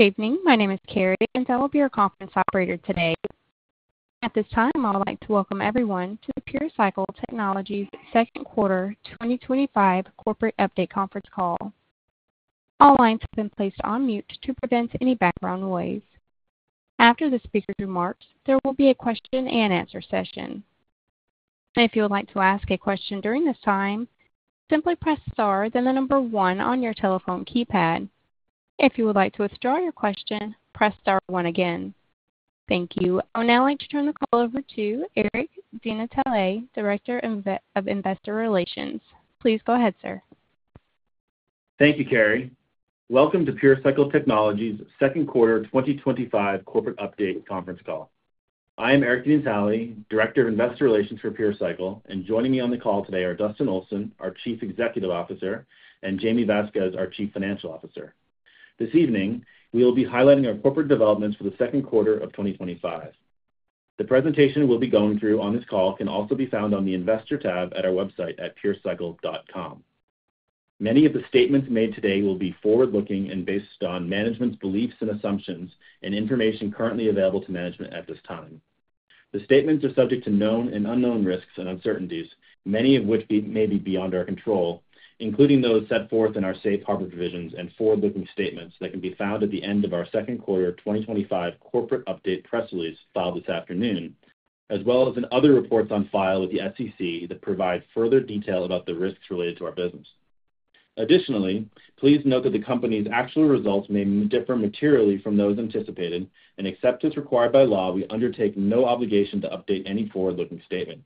Good evening, my name is Carrie and I will be your conference operator today. At this time I would like to welcome everyone to the PureCycle Technologies Second Quarter 2025 Corporate Update Conference Call. All lines have been placed on mute to prevent any background noise. After the speaker's remarks, there will be a question and answer session. If you would like to ask a question during this time, simply press star then the number one on your telephone keypad. If you would like to withdraw your question, press star one again. Thank you. I would now like to turn the call over to Eric DeNatale, Director of Investor Relations. Please go ahead, sir. Thank you, Carrie. Welcome to PureCycle Technologies Second Quarter 2025 Corporate Update Conference Call. I am Eric DeNatale, Director of Investor Relations for PureCycle, and joining me on the call today are Dustin Olson, our Chief Executive Officer, and Jaime Vasquez, our Chief Financial Officer. This evening we will be highlighting our corporate developments for the second quarter of 2025. The presentation we'll be going through on this call can also be found on the Investor tab at our website at purecycle.com. Many of the statements made today will be forward looking and based on management's beliefs and assumptions and information currently available to management at this time. The statements are subject to known and unknown risks and uncertainties, many of which may be beyond our control, including those set forth in our Safe Harbor provision for forward looking statements that can be found at the end of our second quarter 2025 corporate update press release filed this afternoon as well as in other reports on file with the SEC that provide further detail about the risks related to our business. Additionally, please note that the company's actual results may differ materially from those anticipated, and except as required by law, we undertake no obligation to update any forward looking statement.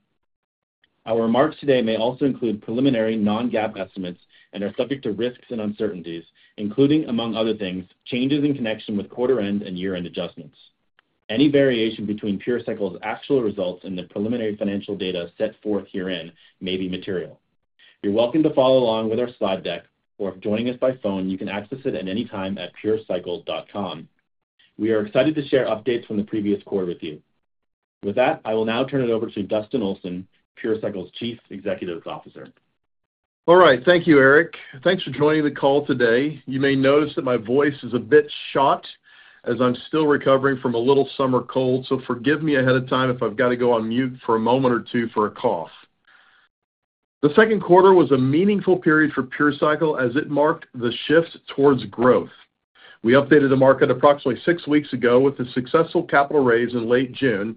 Our remarks today may also include preliminary non-GAAP estimates and are subject to risks and uncertainties including, among other things, changes in connection with quarter end and year end adjustments. Any variation between PureCycle's actual results and the preliminary financial data set forth herein may be material. You're welcome to follow along with our slide deck or, if joining us by phone, you can access it at any time at purecycle.com. We are excited to share updates from the previous quarter with you. With that, I will now turn it over to Dustin Olson, PureCycle's Chief Executive Officer. All right, thank you, Eric. Thanks for joining the call today. You may notice that my voice is a bit shot as I'm still recovering from a little summer cold, so forgive me ahead of time if I've got to go on mute for a moment or two for a cough. The second quarter was a meaningful period for PureCycle as it marked the shift towards growth. We updated the market approximately six weeks ago with a successful capital raise in late June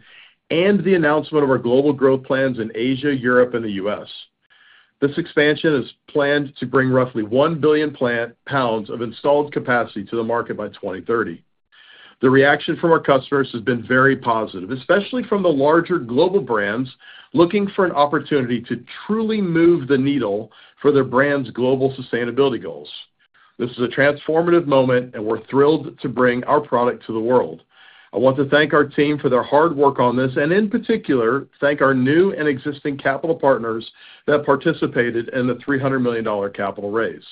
and the announcement of our global growth plans in Asia, Europe, and the U.S. This expansion is planned to bring roughly 1 billion lbs of installed capacity to the market by 2030. The reaction from our customers has been very positive, especially from the larger global brands looking for an opportunity to truly move the needle for their brands' global sustainability goals. This is a transformative moment and we're thrilled to bring our product to the world. I want to thank our team for their hard work on this and in particular thank our new and existing capital partners that participated in the $300 million capital raise.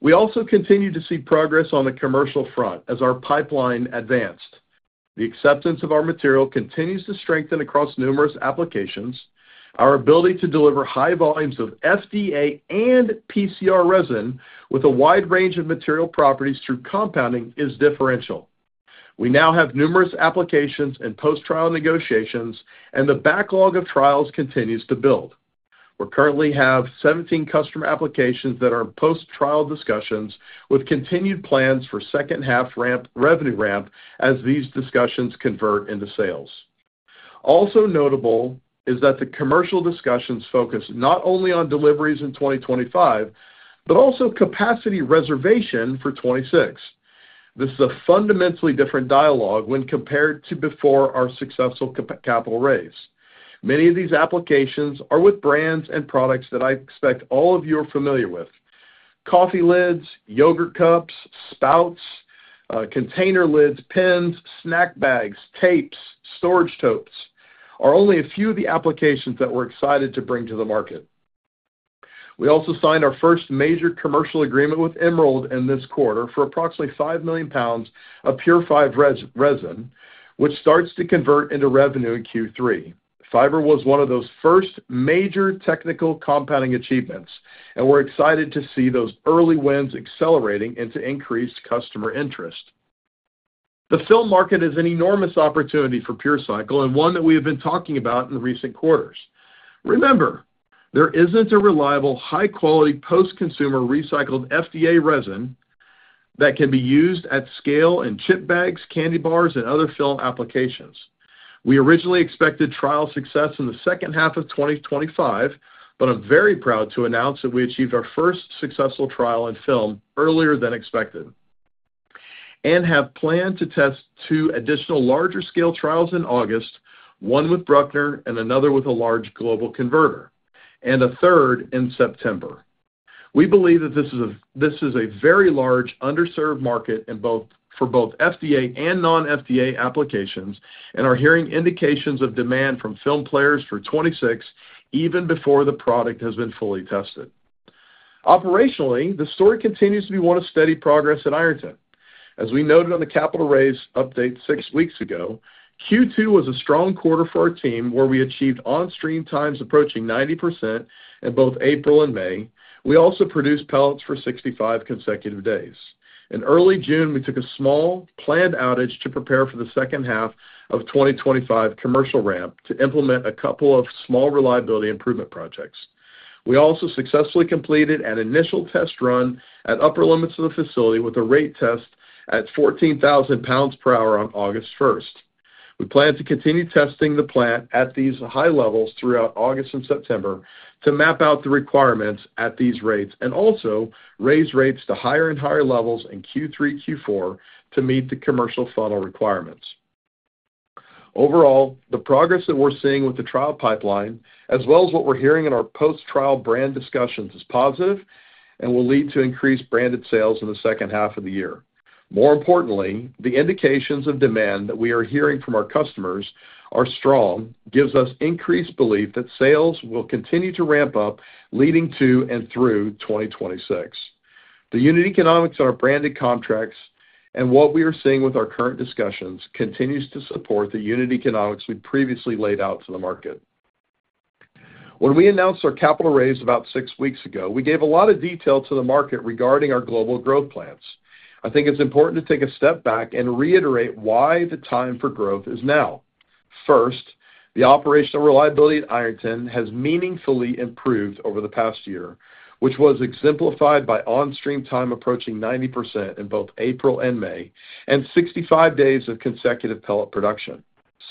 We also continue to see progress on the commercial front as our pipeline advanced. The acceptance of our material continues to strengthen across numerous applications. Our ability to deliver high volumes of FDA and PCR resin with a wide range of material properties through compounding is differential. We now have numerous applications and post-trial negotiations and the backlog of trials continues to build. We currently have 17 customer applications that are in post-trial discussions with continued plans for second half revenue ramp as these discussions convert into sales. Also notable is that the commercial discussions focus not only on deliveries in 2025, but also capacity reservation for 2026. This is a fundamentally different dialogue when compared to before our successful capital raise. Many of these applications are with brands and products that I expect all of you are familiar with. Coffee lids, yogurt cups, spouts, container lids, pens, snack bags, tapes, storage totes are only a few of the applications that we're excited to bring to the market. We also signed our first major commercial agreement with Emerald in this quarter for approximately 5 million lbs of purified resin which starts to convert into revenue in Q3. Fiber was one of those first major technical compounding achievements and we're excited to see those early wins accelerating into increased customer interest. The film market is an enormous opportunity for PureCycle and one that we have been talking about in recent quarters. Remember, there isn't a reliable high quality post-consumer recycled FDA resin that can be used at scale in chip bags, candy bars, and other film applications. We originally expected trial success in the second half of 2025, but I'm very proud to announce that we achieved our first successful trial in film earlier than expected and have planned to test two additional larger scale trials in August, one with Bruckner and another with a large global converter, and a third in September. We believe that this is a very large underserved market for both FDA and non-FDA applications and are hearing indications of demand from film players for 2026 even before the product has been fully tested operationally. The story continues to be one of steady progress at Ironton. As we noted on the capital raise update six weeks ago, Q2 was a strong quarter for our team where we achieved on-stream times approaching 90% in both April and May. We also produced pellets for 65 consecutive days. In early June, we took a small planned outage to prepare for the second half of 2025 commercial ramp to implement a couple of small reliability improvement projects. We also successfully completed an initial test run at upper limits of the facility with a rate test at 14,000 lbs/hour on August 1. We plan to continue testing the plant at these high levels throughout August and September to map out the requirements at these rates and also raise rates to higher and higher levels in Q3 and Q4 to meet the commercial funnel requirements. Overall, the progress that we're seeing with the trial pipeline as well as what we're hearing in our post-trial brand discussions is positive and will lead to increased branded sales in the second half of the year. More importantly, the indications of demand that we are hearing from our customers are strong and give us increased belief that sales will continue to ramp up leading to and through 2026. The unit economics, our branded contracts, and what we are seeing with our current discussions continues to support the unit economics we previously laid out to the market. When we announced our capital raise about six weeks ago, we gave a lot of detail to the market regarding our global growth plans. I think it's important to take a step back and reiterate why the time for growth is now. First, the operational reliability at Ironton has meaningfully improved over the past year, which was exemplified by on-stream time approaching 90% in both April and May and 65 days of consecutive pellet production.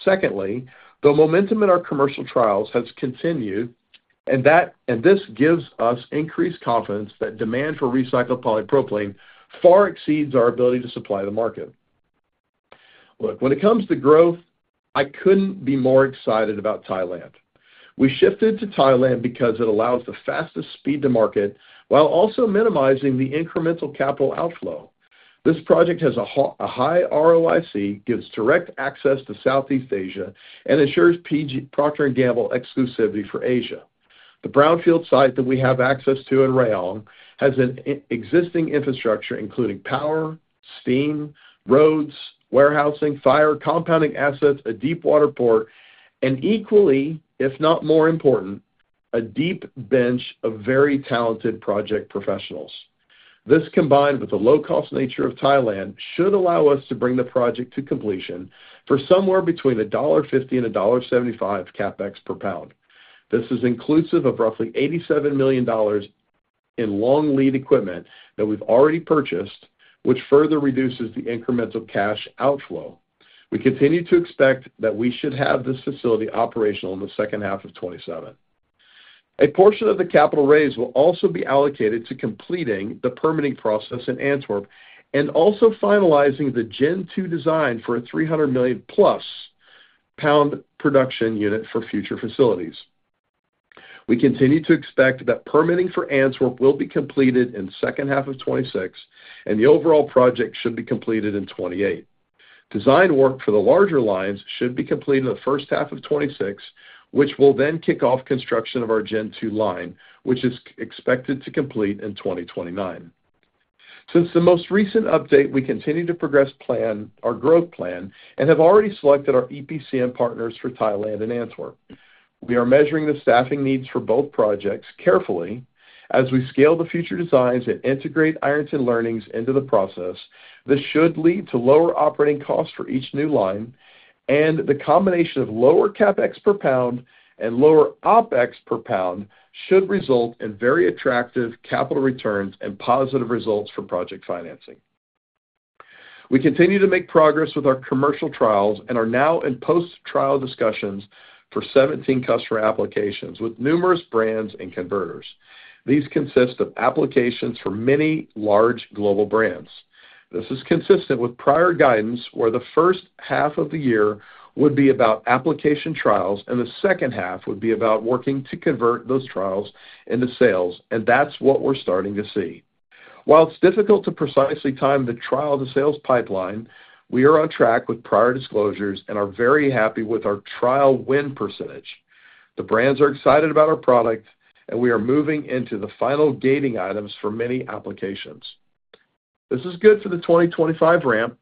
Secondly, the momentum in our commercial trials has continued and this gives us increased confidence that demand for recycled polypropylene far exceeds our ability to supply the market. Look, when it comes to growth, I couldn't be more excited about Thailand. We shifted to Thailand because it allows the fastest speed to market while also minimizing the incremental capital outflow. This project has a high ROIC, gives direct access to Southeast Asia, and ensures Procter & Gamble exclusivity for Asia. The brownfield site that we have access to in Rayong has an existing infrastructure including power, steam, roads, warehousing, fire, compounding assets, a deep water port, and equally, if not more important, a deep bench of very talented project professionals. This, combined with the low-cost nature of Thailand, should allow us to bring the project to completion for somewhere between $1.50 and $1.75 CapEx per lb. This is inclusive of roughly $87 million in long lead equipment that we've already purchased, which further reduces the incremental cash outflow. We continue to expect that we should have this facility operational in second half of 2027. A portion of the capital raised will also be allocated to completing the permitting process in Antwerp and also finalizing the Gen 2 design for a 300 million+ lb production unit for future facilities. We continue to expect that permitting for Antwerp will be completed in the second half of 2026 and the overall project should be completed in 2028. Design work for the larger lines should be completed in first half of 2026, which will then kick off construction of our Gen 2 line, which is expected to complete in 2029. Since the most recent update, we continue to progress our growth plan and have already selected our EPCm partners for Thailand and Antwerp. We are measuring the staffing needs for both projects carefully as we scale the future designs and integrate Ironton learnings into the process. This should lead to lower operating costs for each new line, and the combination of lower CapEx per lb and lower OpEx per lb should result in very attractive capital returns and positive results from project financing. We continue to make progress with our commercial trials and are now in post-trial discussions for 17 customer applications with numerous brands and converters. These consist of applications for many large global brands. This is consistent with prior guidance where the first half of the year would be about application trials and the second half would be about working to convert those trials into sales, and that's what we're starting to see. While it's difficult to precisely time the trial-to-sales pipeline, we are on track with prior disclosures and are very happy with our trial win percentage. The brands are excited about our product, and we are moving into the final gating items for many applications. This is good for the 2025 ramp,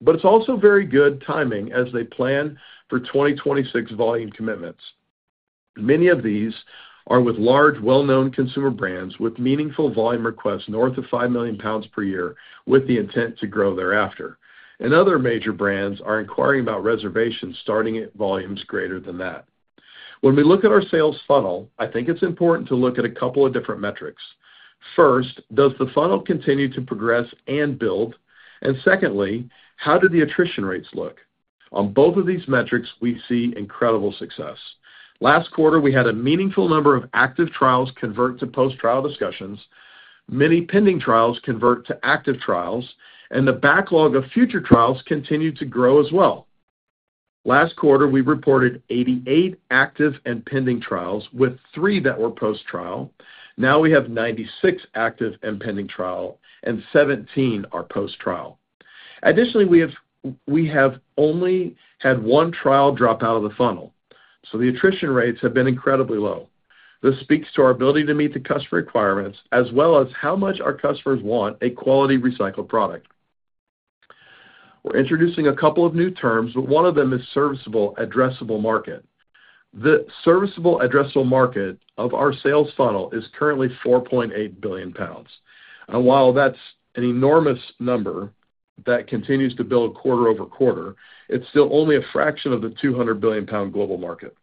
but it's also very good timing as they plan for 2026 volume commitments. Many of these are with large, well-known consumer brands with meaningful volume requests north of $5 million/year with the intent to grow thereafter, and other major brands are inquiring about reservations starting at volumes greater than that. When we look at our sales funnel, I think it's important to look at a couple of different metrics. First, does the funnel continue to progress and build, and secondly, how do the attrition rates look? On both of these metrics, we see incredible success. Last quarter, we had a meaningful number of active trials convert to post-trial discussions, many pending trials convert to active trials, and the backlog of future trials continued to grow as well. Last quarter, we reported 88 active and pending trials with three that were post-trial. Now we have 96 active and pending trials, and 17 are post-trial. Additionally, we have only had one trial drop out of the funnel, so the attrition rates have been incredibly low. This speaks to our ability to meet the customer requirements as well as how much our customers want a quality recycled product. We're introducing a couple of new terms, but one of them is serviceable addressable market. The serviceable addressable market of our sales funnel is currently $4.8 billion. While that's an enormous number that continues to build quarter-over-quarter, it's still only a fraction of the $200 billion global market.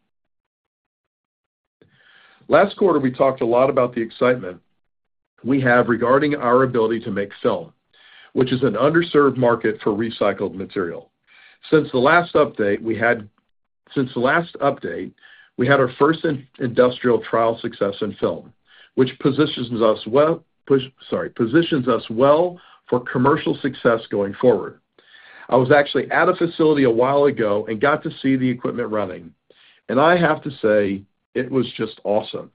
Last quarter, we talked a lot about the excitement we have regarding our ability to make film, which is an underserved market for recycled material. Since the last update, we had. Since the last update, we had our first industrial trial success in film, which positions us well for commercial success going forward. I was actually at a facility a while ago and got to see the equipment running, and I have to say it was just awesome.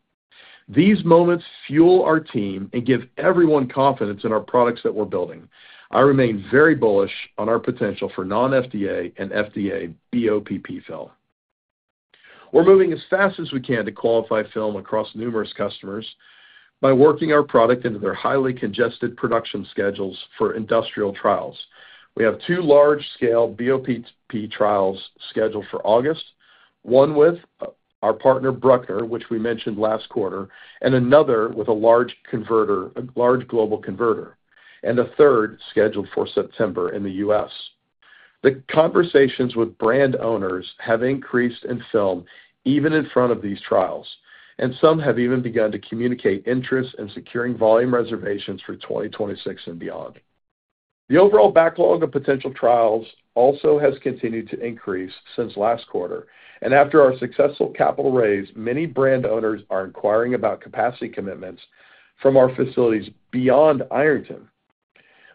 These moments fuel our team and give everyone confidence in our products that we're building. I remain very bullish on our potential for non-FDA and FDA BOPP film. We're moving as fast as we can to qualify film across numerous customers by working our product into their highly congested production schedules. For industrial trials, we have two large-scale BOPP trials scheduled for August, one with our partner Bruckner, which we mentioned last quarter, and another with a large global converter, and a third scheduled for September in the U.S. The conversations with brand owners have increased in film even in front of these trials, and some have even begun to communicate interest in securing volume reservations for 2026 and beyond. The overall backlog of potential trials also has continued to increase since last quarter, and after our successful capital raise, many brand owners are inquiring about capacity commitments from our facilities beyond Ironton.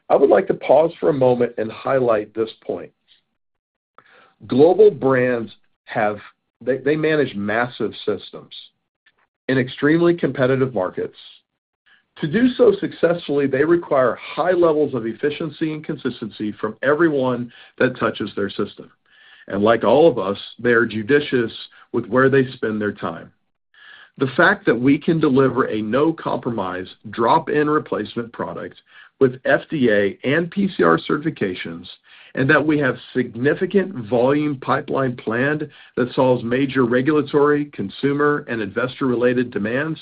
I would like to pause for a moment and highlight this point. Global brands manage massive systems in extremely competitive markets. To do so successfully, they require high levels of efficiency and consistency from everyone that touches their system, and like all of us, they are judicious with where they spend their time. The fact that we can deliver a no-compromise drop-in replacement product with FDA and PCR certifications and that we have significant volume pipeline planned that solves major regulatory, consumer, and investor-related demands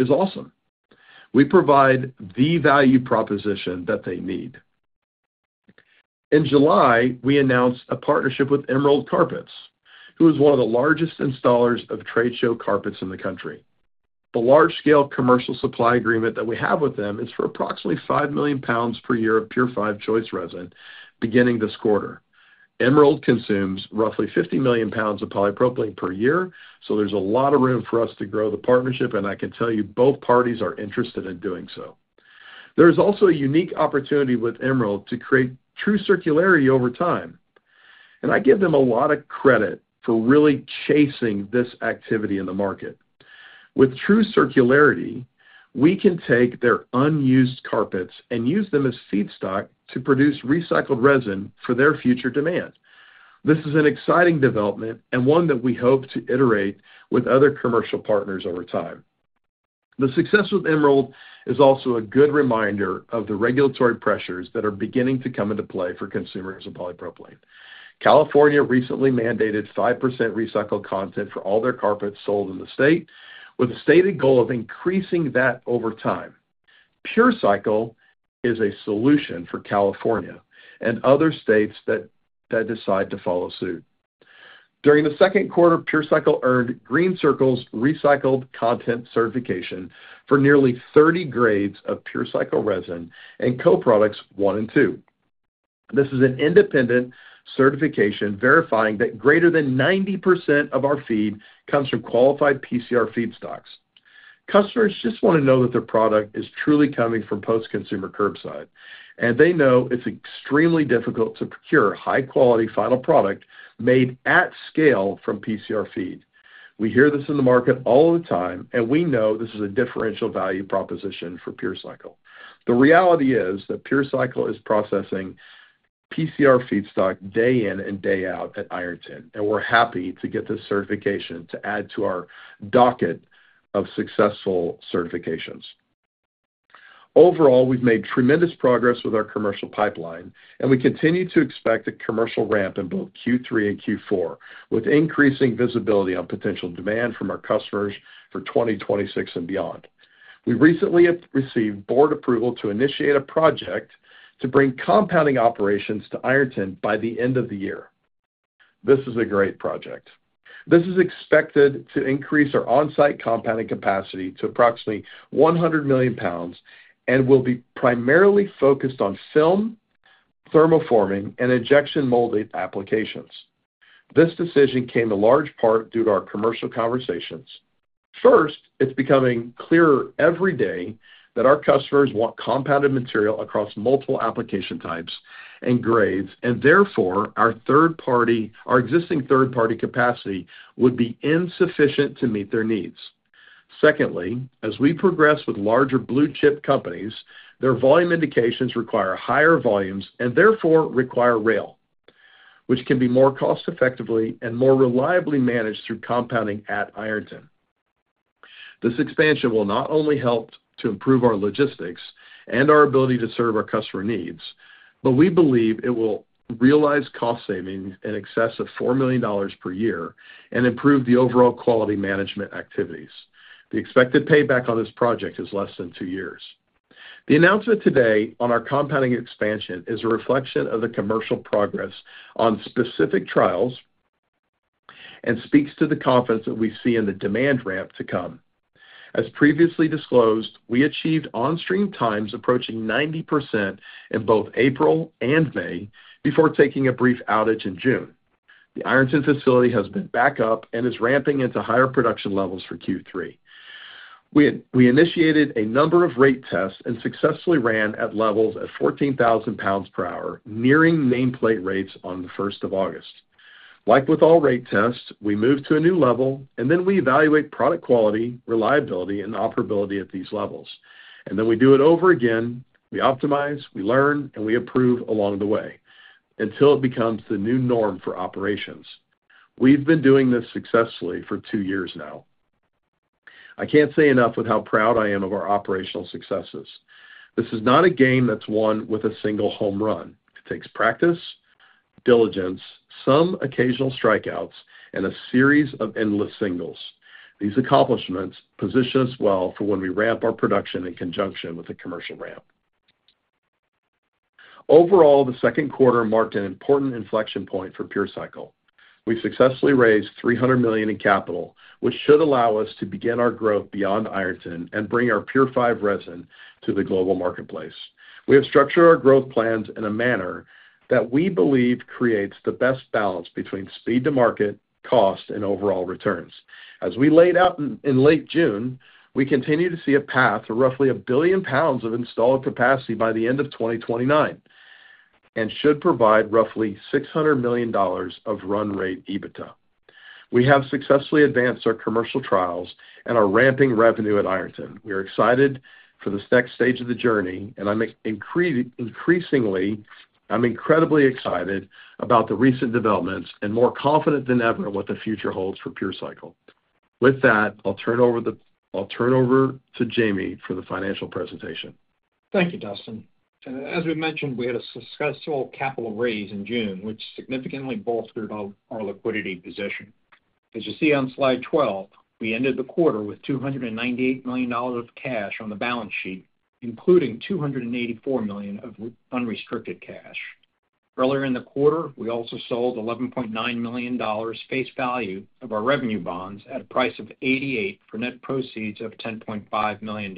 is awesome. We provide the value proposition that they need. In July, we announced a partnership with Emerald Carpets, who is one of the largest installers of trade show carpets in the country. The large-scale commercial supply agreement that we have with them is for approximately 5 million lbs/year of PureFive Choice resin, beginning this quarter. Emerald consumes roughly 50 million lbs of polypropylene/year, so there's a lot of room for us to grow the partnership, and I can tell you both parties are interested in doing so. There is also a unique opportunity with Emerald to create true circularity over time, and I give them a lot of credit for really chasing this activity in the market. With true circularity, we can take their unused carpets and use them as feedstock to produce recycled resin for their future demand. This is an exciting development and one that we hope to iterate with other commercial partners over time. The success with Emerald is also a good reminder of the regulatory pressures that are beginning to come into play for consumers of polypropylene. California recently mandated 5% recycled content for all their carpets sold in the state, with a stated goal of increasing that over time. PureCycle is a solution for California and other states that decide to follow suit. During the second quarter, PureCycle earned GreenCircle's Recycled Content Certification for nearly 30 grades of PureCycle resin and co-products 1 and 2. This is an independent certification verifying that greater than 90% of our feed comes from qualified PCR feedstocks. Customers just want to know that their product is truly coming from post-consumer curbside, and they know it's extremely difficult to procure high-quality final product made at scale from PCR feed. We hear this in the market all the time, and we know this is a differential value proposition for PureCycle. The reality is that PureCycle is processing PCR feedstock day in and day out at Ironton, and we're happy to get this certification to add to our docket of successful certifications. Overall, we've made tremendous progress with our commercial pipeline, and we continue to expect a commercial ramp in both Q3 and Q4 with increasing visibility on potential demand from our customers for 2026 and beyond. We recently received board approval to initiate a project to bring compounding operations to Ironton by the end of the year. This is a great project. This is expected to increase our on-site compounding capacity to approximately 100 million lbs and will be primarily focused on film, thermoforming, and injection molding applications. This decision came in large part due to our commercial conversations. First, it's becoming clearer every day that our customers want compounded material across multiple application types and grades, and therefore our existing third-party capacity would be insufficient to meet their needs. Secondly, as we progress with larger blue chip companies, their volume indications require higher volumes and therefore require rail, which can be more cost effectively and more reliably managed through compounding. At Ironton, this expansion will not only help to improve our logistics and our ability to serve our customer needs, but we believe it will realize cost savings in excess of $4 million/year and improve the overall quality management activities. The expected payback on this project is less than two years. The announcement today on our compounding expansion is a reflection of the commercial progress on specific trials and speaks to the confidence that we see in the demand ramp to come. As previously disclosed, we achieved on-stream times approaching 90% in both April and May before taking a brief outage, and the Ironton facility has been back up and is ramping into higher production levels for Q3. We initiated a number of rate tests and successfully ran at levels of 14,000 lbs/hour, nearing nameplate rates on August 1. Like with all rate tests, we move to a new level and then we evaluate product quality, reliability, and operability at these levels. Then we do it over again. We optimize, we learn, and we improve along the way until it becomes the new norm for operations. We've been doing this successfully for two years now. I can't say enough with how proud I am of our operational successes. This is not a game that's won with a single home run. It takes practice, diligence, some occasional strikeouts, and a series of endless singles. These accomplishments position us well for when we ramp our production in conjunction with the commercial ramp. Overall, the second quarter marked an important inflection point for PureCycle. We successfully raised $300 million in capital, which should allow us to begin our growth beyond Ironton and bring our PureFive Choice resin to the global marketplace. We have structured our growth plans in a manner that we believe creates the best balance between speed to market, cost, and overall returns. As we laid out in late June, we continue to see a path to roughly a billion lbs of installed capacity by the end of 2029 and should provide roughly $600 million of run-rate EBITDA. We have successfully advanced our commercial trials and are ramping revenue at Ironton. We are excited for this next stage of the journey and I'm increasingly. I'm incredibly excited about the recent developments and more confident than ever what the future holds for PureCycle. With that, I'll turn over to Jaime for the financial presentation. Thank you, Dustin. As we mentioned, we had a successful capital raise in June, which significantly bolstered our liquidity position. As you see on Slide 12, we ended the quarter with $298 million of cash on the balance sheet, including $284 million of unrestricted cash. Earlier in the quarter, we also sold $11.9 million face value of our revenue bonds at a price of $88, proceeds of $10.5 million.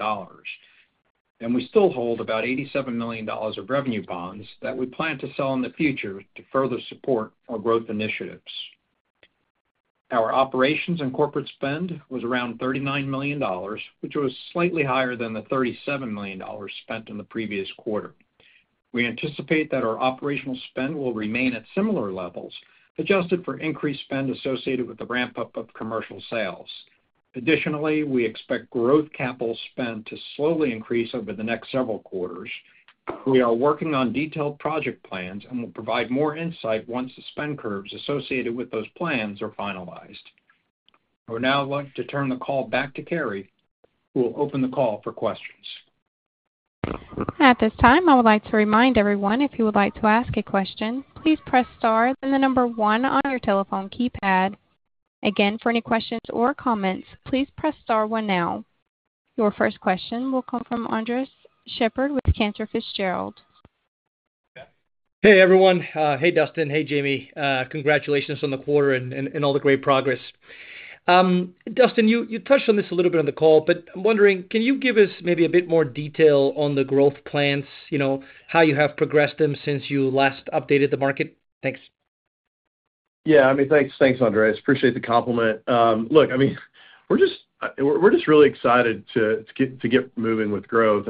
We still hold about $87 million of revenue bonds that we plan to sell in the future to further support our growth initiatives. Our operations and corporate spend was around $39 million, which was slightly higher than the $37 million spent in the previous quarter. We anticipate that our operational spend will remain at similar levels, adjusted for increased spend associated with the ramp up of commercial sales. Additionally, we expect growth capital spend to slowly increase over the next several quarters. We are working on detailed project plans and will provide more insight once the spend curves associated with those plans are finalized. I would now like to turn the call back to Carrie, who will open the call for questions. At this time, I would like to remind everyone, if you would like to ask a question, please press star, then the number one on your telephone keypad. Again, for any questions or comments, please press Star 1. Now your first question will come from Andres Sheppard with Cantor Fitzgerald. Hey, everyone. Hey, Dustin. Hey, Jaime. Congratulations on the quarter and all the great progress. Dustin, you touched on this a little bit on the call, but I'm wondering, can you give us maybe a bit more detail on the growth plans, you know, how you have progressed them since you last updated the market? Thanks. Yeah, thanks, Andres. Appreciate the compliment. Look, we're just really excited to get moving with growth.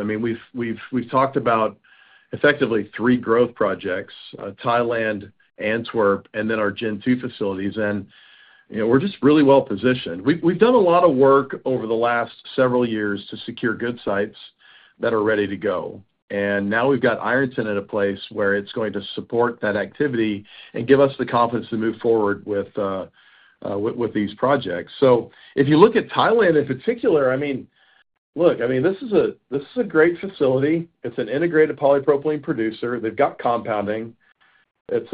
We've talked about effectively three growth projects: Thailand, Antwerp, and then our Gen 2 facilities. We're just really well positioned. We've done a lot of work over the last several years to secure good sites that are ready to go. Now we've got Ironton at a place where it's going to support that activity and give us the confidence to move forward with these projects. If you look at Thailand in particular, this is a great facility. It's an integrated polypropylene producer. They've got compoundiing. It's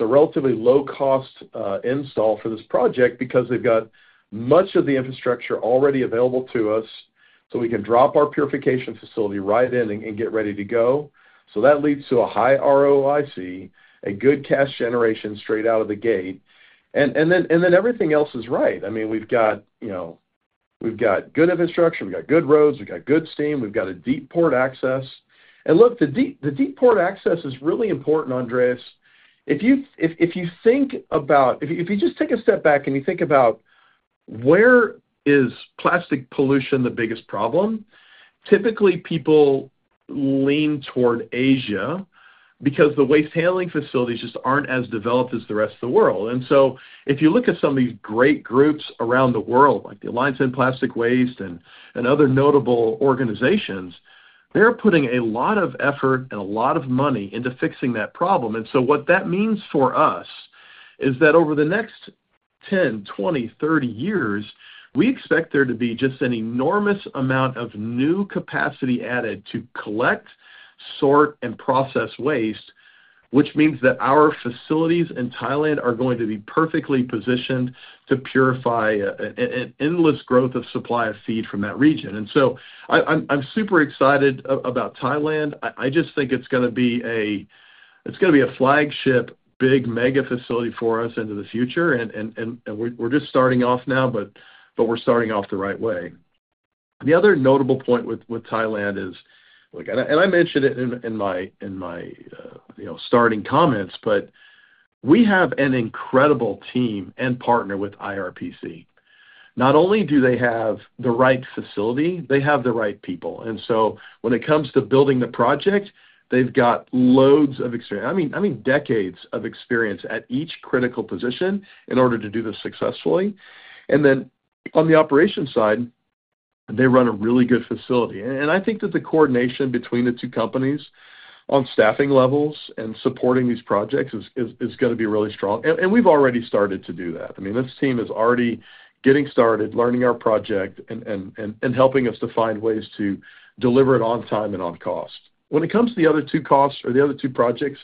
a relatively low-cost install for this project because they've got much of the infrastructure already available to us, so we can drop our purification facility right in and get ready to go. That leads to a high ROIC, good cash generation straight out of the gate, and then everything else is right. We've got good infrastructure, we've got good roads, we've got good steam, we've got deep port access. The deep port access is really important. Andres, if you just take a step back and you think about where is plastic pollution the biggest problem, typically people lean toward Asia because the waste handling facilities just aren't as developed as the rest of the world. If you look at some of these great groups around the world like the Alliance to End Plastic Waste and other notable organizations, they're putting a lot of effort and a lot of money into fixing that problem. What that means for us is that over the next 10, 20, 30 years, we expect there to be just an enormous amount of new capacity added to collect, sort, and process waste, which means that our facilities in Thailand are going to be perfectly positioned to purify an endless growth of supply of feed from that region. I'm super excited about Thailand. I just think it's going to be a flagship, big mega facility for us into the future. We're just starting off now, but we're starting off the right way. The other notable point with Thailand is, and I mentioned it in my starting comments, we have an incredible team and partner with IRPC. Not only do they have the right facility, they have the right people. When it comes to building the project, they've got loads of experience, decades of experience at each critical position in order to do this successfully. On the operations side, they run a really good facility. I think that the coordination between the two companies on staffing levels and supporting these projects is going to be really strong. We've already started to do that. This team is already getting started learning our project and helping us to find ways to deliver it on time and on cost. When it comes to the other two costs or the other two projects,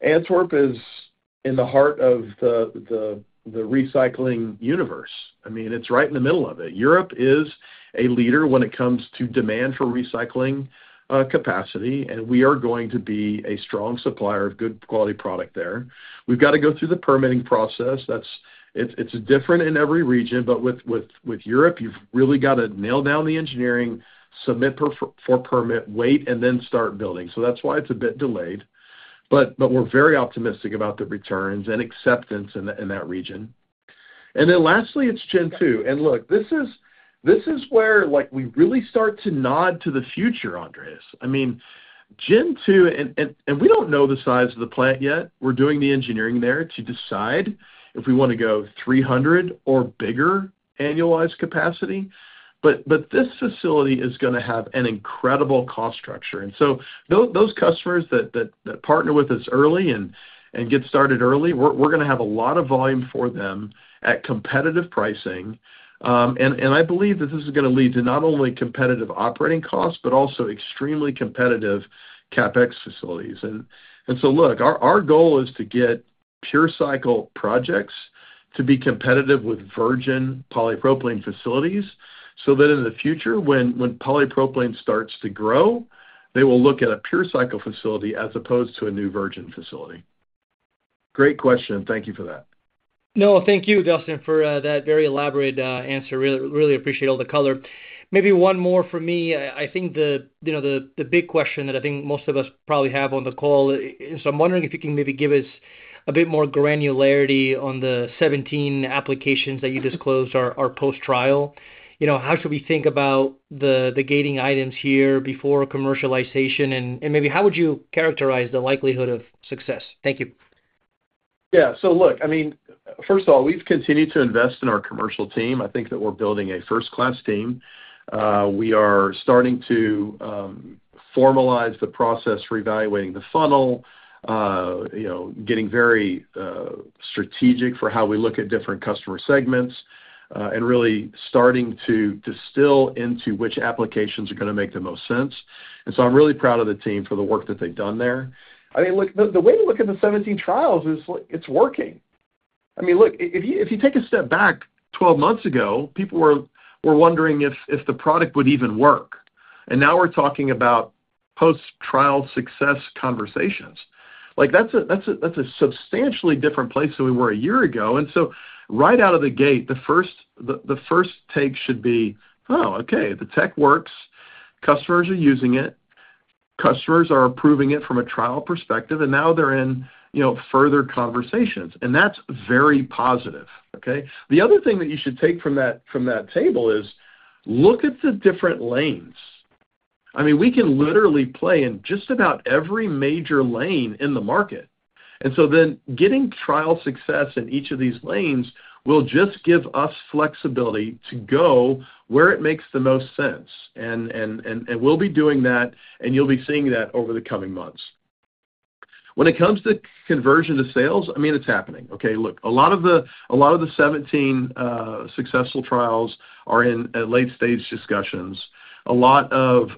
Antwerp is in the heart of the recycling universe, it's right in the middle of it. Europe is a leader when it comes to demand for recycling capacity and we are going to be a strong supplier of good quality product there. We've got to go through the permitting process. It's different in every region. With Europe, you've really got to nail down the engineering, submit for permit, wait, and then start building. That's why it's a bit delayed. We're very optimistic about the returns and acceptance in that region. Lastly, it's Gen 2. This is where we really start to nod to the future, Andres. Gen 2, and we don't know the size of the plant yet. We're doing the engineering there to decide if we want to go 300 or bigger annualized capacity. This facility is going to have an incredible cost structure and those customers, customers that partner with us early and get started early, we're going to have a lot of volume for them at competitive pricing. I believe that this is going to lead to not only competitive operating costs, but also extremely competitive CapEx facilities. Our goal is to get PureCycle projects to be competitive with virgin polypropylene facilities so that in the future when polypropylene starts to grow, they will look at a PureCycle facility as opposed to a new virgin facility. Great question. Thank you for that. No, thank you, Dustin, for that very elaborate answer. Really, really appreciate all the color. Maybe one more for me. I think the big question that I think most of us probably have on the call is I'm wondering if you can maybe give us a bit more granularity on the 17 applications that you disclosed are post-trial. How should we think about the gating items here before commercialization, and maybe how would you characterize the likelihood of success? Thank you. Yeah, so look, I mean, first of all, we've continued to invest in our commercial team. I think that we're building a first-class team. We are starting to formalize the process, reevaluating the funnel, getting very strategic for how we look at different customer segments and really starting to distill into which applications are going to make the most sense. I'm really proud of the team for the work that they've done there. The way to look at the 17 trials is it's working. If you take a step back 12 months ago, people were wondering if the product would even work and now we're talking about post-trial success conversations, like, that's a substantially different place than we were a year ago. Right out of the gate, the first take should be, oh, okay, the tech works, customers are using it, customers are approving it from a trial perspective, and now they're in further conversations. That's very positive. The other thing that you should take from that table is look at the different lanes. We can literally play in just about every major lane in the market. Getting trial success in each of these lanes will just give us flexibility to go where it makes the most sense. We'll be doing that and you'll be seeing that over the coming months. When it comes to conversion to sales, it's happening. A lot of the 17 successful trials are in late-stage discussions. A lot of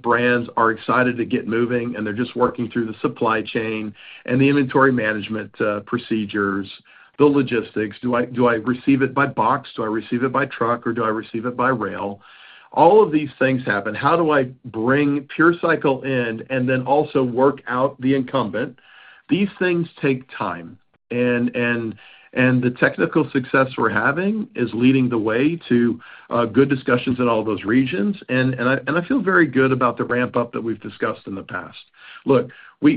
brands are excited to get moving and they're just working through the supply chain and the inventory management procedures, the logistics. Do I receive it by box, do I receive it by truck, or do I receive it by rail? All of these things happen. How do I bring PureCycle in and then also work out the incumbent? These things take time. The technical success we're having is leading the way to good discussions in all those regions. I feel very good about the ramp up that we've discussed in the past.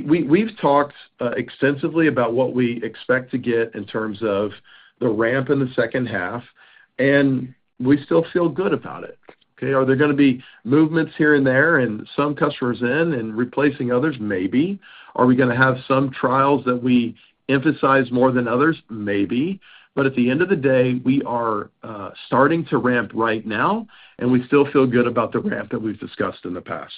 We've talked extensively about what we expect to get in terms of the ramp in the second half and we still feel good about it. Are there going to be movements here and there and some customers in and replacing others? Maybe. Are we going to have some trials that we emphasize more than others? Maybe. At the end of the day, we are starting to ramp right now and we still feel good about the ramp that we've discussed in the past.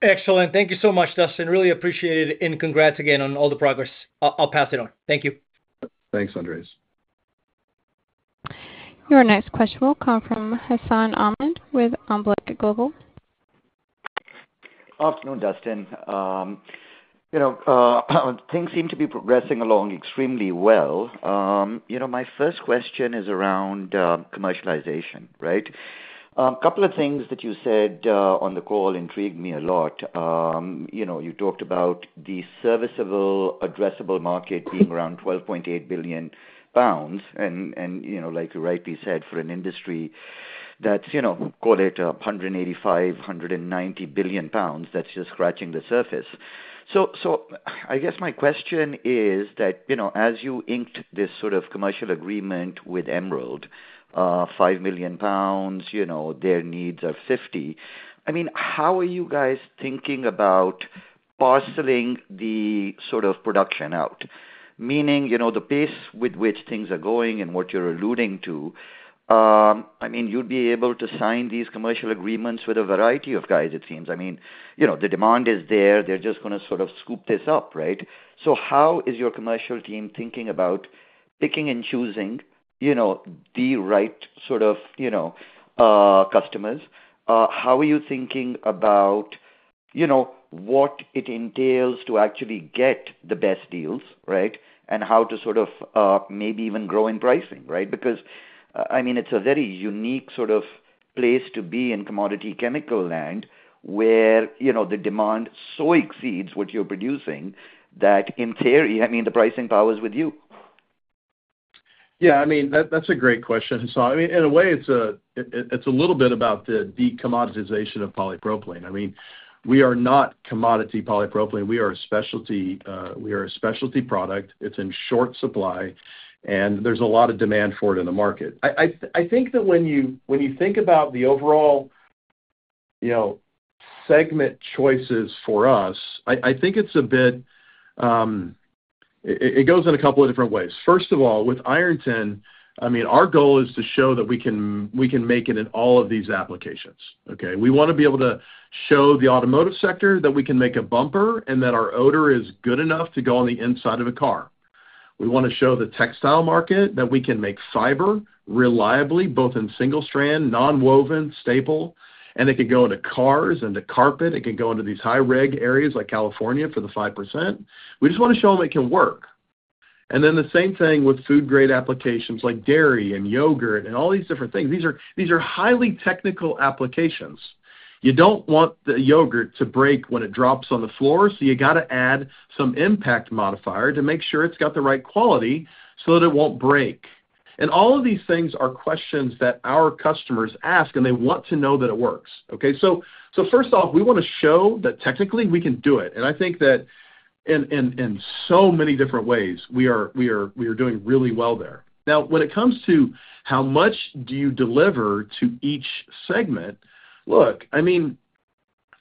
Excellent. Thank you so much, Dustin. Really appreciate it. Congrats again on all the progress. I'll pass it on. Thank you. Thanks, Andres. Your next question will come from Hassan Ahmed with Alembic Global. Afternoon. Dustin, things seem to be progressing along extremely well. My first question is around commercialization. A couple of things that you said on the call intrigued me a lot. You talked about the serviceable addressable market being around $12.8 billion. Like you rightly said, for an industry that's, call it, $185 billion, $190 billion, that's just scratching the surface. I guess my question is that as you inked this sort of commercial agreement with Emerald, 5 million lbs, their needs are 50. How are you guys thinking about parceling the sort of production out, meaning the pace with which things are going and what you're alluding to? You'd be able to sign these commercial agreements with a variety of guys, it seems. The demand is there. They're just going to sort of scoop this up. How is your commercial team thinking about picking and choosing the right sort of customers? How are you thinking about what it entails to actually get the best deals right and how to maybe even grow in pricing? Right, because it's a very unique sort of place to be in commodity chemical land where the demand so exceeds what you're producing that, in theory, the pricing power is with you? Yeah, I mean, that's a great question. In a way, it's a little bit about the commoditization of polypropylene. We are not commodity polypropylene. We are a specialty product. It's in short supply and there's a lot of demand for it in the market. I think that when you think about the overall segment choices for us, it goes in a couple of different ways. First of all, with Ironton, our goal is to show that we can make it in all of these applications. We want to be able to show the automotive sector that we can make a bumper and that our odor is good enough to go on the inside of a car. We want to show the textile market that we can make fiber reliably both in single strand, nonwoven staple, and it could go into cars. The carpet, it can go into these high reg areas like California for the 5%. We just want to show them it can work. The same thing with food grade applications like dairy and yogurt and all these different things, these are highly technical applications. You don't want the yogurt to break when it drops on the floor. You have to add some impact modifier to make sure it's got the right quality so that it won't break. All of these things are questions that our customers ask and they want to know that it works. First off, we want to show that technically we can do it. I think that in so many different ways we are doing really well there. Now, when it comes to how much do you deliver to each segment,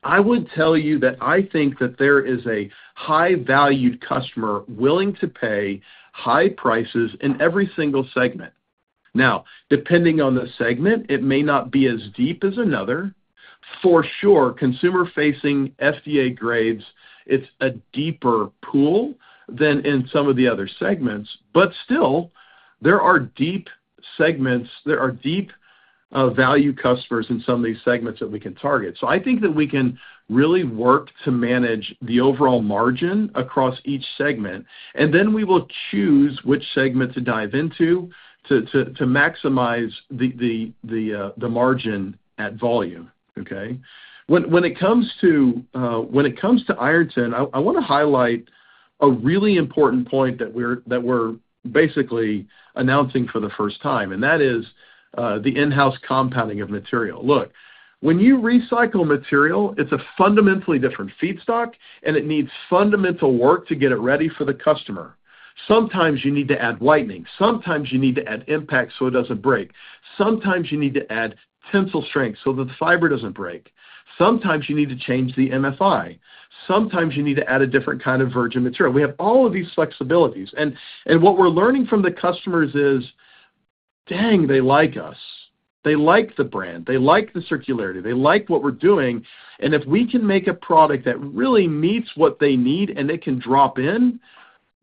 I would tell you that I think that there is a high valued customer willing to pay high prices in every single segment. Depending on the segment, it may not be as deep as another. For sure, consumer facing FDA grades, it's a deeper pool than in some of the other segments. Still, there are deep segments. There are deep value customers in some of these segments that we can target. I think that we can really work to manage the overall margin across each segment and then we will choose which segment to dive into to maximize the margin at volume. When it comes to Ironton, I want to highlight a really important point that we're basically announcing for the first time, and that is the in-house compounding of material. When you recycle material, it's a fundamentally different feedstock and it needs fundamental work to get it ready for the customer. Sometimes you need to add whitening, sometimes you need to add impact so it doesn't break. Sometimes you need to add tensile strength so that the fiber doesn't break. Sometimes you need to change the MFI. Sometimes you need to add a different kind of virgin material. We have all of these flexibilities, and what we're learning from the customers is, dang, they like us, they like the brand, they like the circularity, they like what we're doing. If we can make a product that really meets what they need and they can drop in,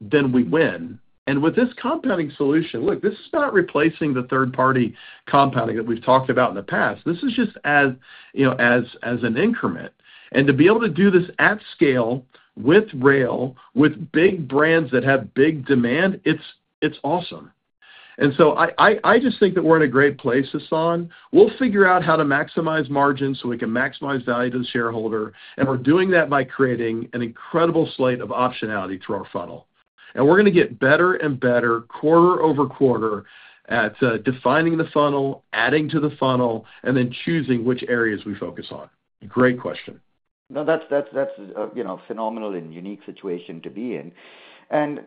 then we win. With this compounding solution, this is not replacing the third-party compounding that we've talked about in the past. This is just, as you know, an increment. To be able to do this at scale with rail, with big brands that have big demand, it's awesome. I just think that we're in a great place, Hassan. We'll figure out how to maximize margin so we can maximize value to the shareholder. We're doing that by creating an incredible slate of optionality through our funnel. We're going to get better and better quarter over quarter at defining the funnel, adding to the funnel, and then choosing which areas we focus on. Great question. Now that's a phenomenal and unique situation to be in, and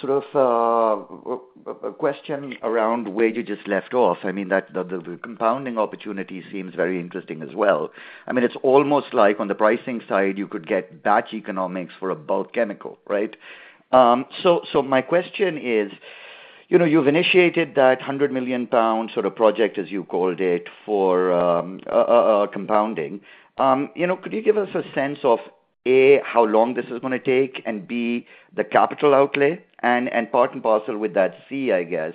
sort of a question around where you just left off. I mean, the compounding opportunity seems very interesting as well. It's almost like on the pricing side you could get batch economics for a bulk chemical. Right? My question is, you've initiated that 100 million lb sort of project, as you called it, for compounding. Could you give us a sense of A, how long this is going to take, and B, the capital outlay, and part and parcel with that, C, I guess,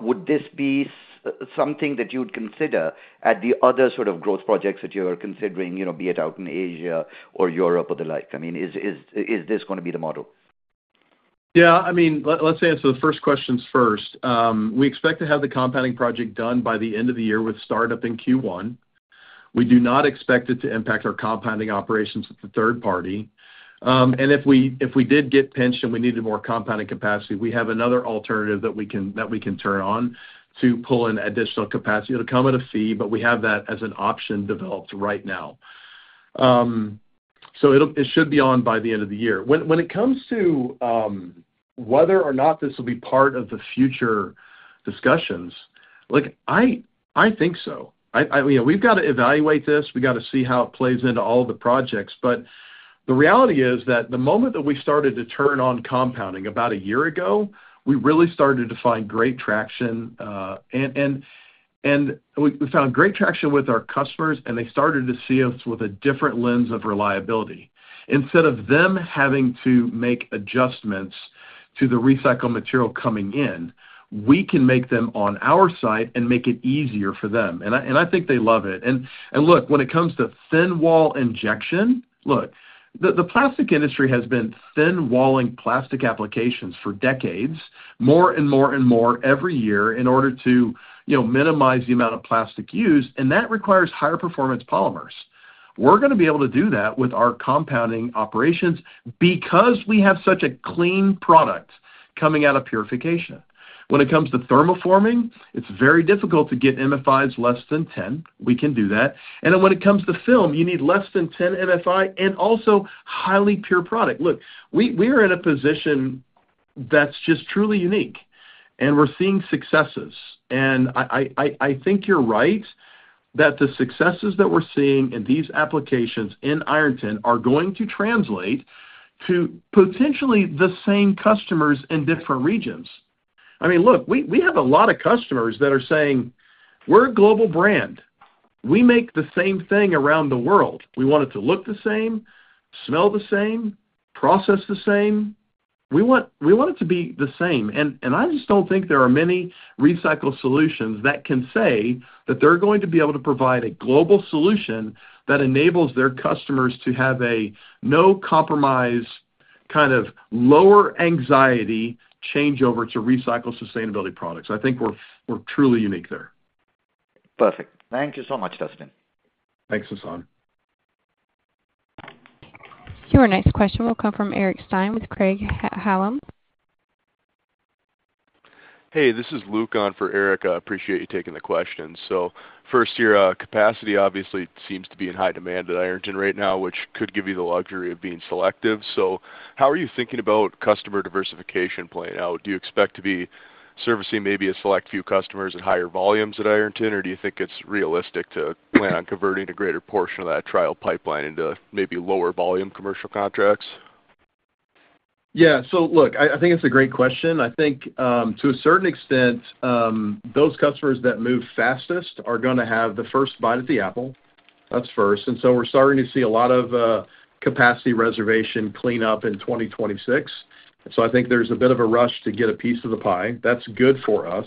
would this be something that you'd consider at the other sort of growth projects that you are considering, be it out in Asia or Europe or the like? I mean, is this going to be the model? Yeah, I mean, let's answer the first questions first. We expect to have the compounding project done by the end of the year with startup in Q1. We do not expect it to impact our compounding operations with the third party. If we did get pinched and we needed more compounded capacity, we have another alternative that we can turn on to pull in additional capacity. It'll come at a fee, but we have that as an option developed right now. It should be on by the end of the year. When it comes to whether or not this will be part of the future discussions, I think so. We've got to evaluate this. We got to see how it plays into all the projects. The reality is that the moment that we started to turn on compounding about a year ago, we really started to find great traction and we found great traction with our customers and they started to see us with a different lens of reliability. Instead of them having to make adjustments to the recycled material coming in, we can make them on our site and make it easier for them. I think they love it. When it comes to thin wall injection, the plastic industry has been thin walling plastic applications for decades. More and more every year in order to minimize the amount of plastic used. That requires higher performance polymers. We're going to be able to do that with our compounding operations because we have such a clean product coming out of purification. When it comes to thermoforming, it's very difficult to get MFIs less than 10. We can do that. When it comes to film, you need less than 10 MFI and also highly pure product. We are in a position that's just truly unique and we're seeing successes. I think you're right that the successes that we're seeing in these applications in Ironton are going to translate to potentially the same customers in different regions. We have a lot of customers that are saying we're a global brand, we make the same thing around the world. We want it to look the same, smell the same, process the same. We want it to be the same. I just don't think there are many recycled solutions that can say that they're going to be able to provide a global solution that enables their customers to have a no compromise kind of lower anxiety changeover to recycle sustainability products. I think we're truly unique there. Perfect. Thank you so much, Dustin. Thanks, Hassan. Your next question will come from Eric Stine with Craig-Hallum. Hey, this is Luke on for Eric. I appreciate you taking the question. First year capacity obviously seems to be in high demand at Ironton right now, which could give you the luxury of being selective. How are you thinking about customer diversification playing out? Do you expect to be servicing maybe a select few customers at higher volumes at Ironton, or do you think it's realistic to plan on converting a greater portion of that trial pipeline into maybe lower volume commercial contracts? Yeah, so look, I think it's a great question. I think to a certain extent those customers that move fastest are going to have the first bite at the apple. That's first. We're starting to see a lot of capacity reservation cleanup in 2026. I think there's a bit of a rush to get a piece of the pie that's good for us.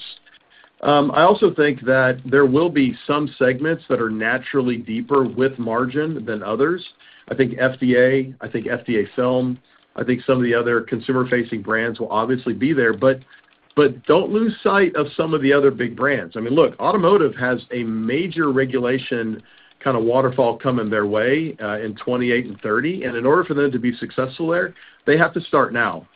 I also think that there will be some segments that are naturally deeper with margin than others. I think FDA, I think FDA film, I think some of the other consumer-facing brands will obviously be there. Don't lose sight of some of the other big brands. I mean, look, automotive has a major regulation kind of waterfall coming their way in 2028 and 2030, and in order for them to be successful there, they have to start now.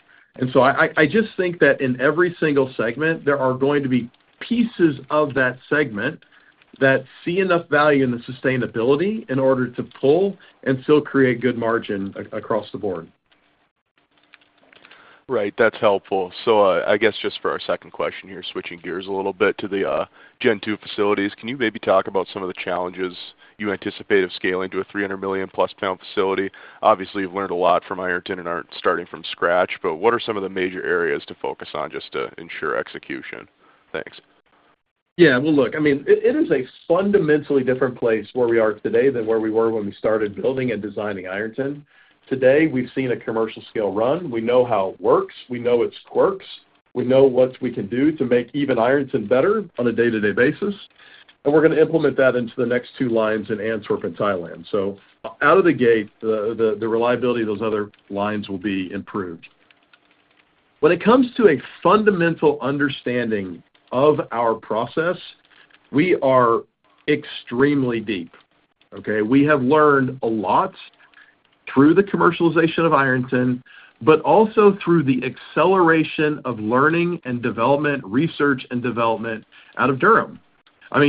I just think that in every single segment there are going to be pieces of that segment that see enough value in the sustainability in order to pull and still create good margin across the board. Right, that's helpful. I guess just for our second question here, switching gears a little bit to the Gen 2 facilities, can you maybe talk about some of the challenges you anticipate of scaling to a 300 million+ lb facility? Obviously you've learned a lot from Ironton and aren't starting from scratch. What are some of the major areas to focus on just to ensure execution? Thanks. Yeah, I mean it is a fundamentally different place where we are today than where we were when we started building and designing Ironton. Today we've seen a commercial scale run. We know how it works, we know its quirks, we know what we can do to make even Ironton better on a day-to-day basis. We're going to implement that into the next two lines in Antwerp and Thailand. Out of the gate, the reliability of those other lines will be improved. When it comes to a fundamental understanding of our process, we are extremely deep. We have learned a lot through the commercialization of Ironton, but also through the acceleration of learning and development, research and development out of Durham.